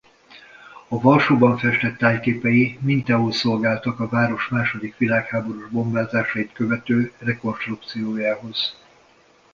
A Varsóban festett tájképei mintául szolgáltak a város második világháborús bombázásait követő rekonstrukciójához.